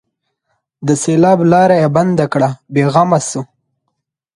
د سېلاب لاره یې بنده کړه؛ بې غمه شو.